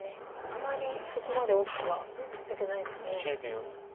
あまりそこまで大きくは出てないですね。